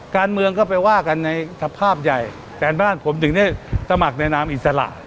การเมืองก็ไปว่ากันในสภาพใหญ่แฟนบ้านผมถึงได้สมัครในนามอิสระ